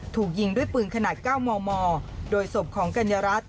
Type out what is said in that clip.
ถูกยิงด้วยปืนขนาด๙มมโดยศพของกัญญารัฐ